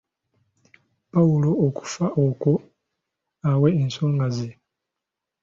Pawulo okufa okwo , awe ensonga ze